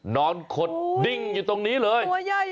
นอนขดดิ้งอยู่ตรงนี้เลย